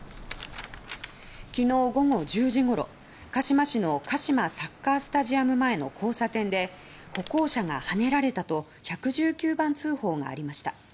昨日午後１０時ごろ鹿嶋市のカシマサッカースタジアム前の交差点で「乗用車と歩行者がはねられた」と１１９番通報がありました。